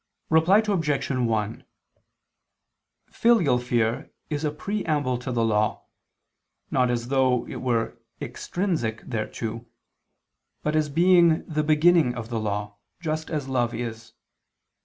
Reply Obj. 1: Filial fear is a preamble to the Law, not as though it were extrinsic thereto, but as being the beginning of the Law, just as love is.